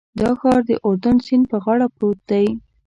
دا ښار د اردن سیند په غاړه پروت دی.